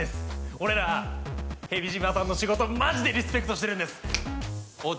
俺ら蛇島さんの仕事マジでリスペクトしてるんですおっ